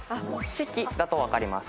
「シキ」だと分かります。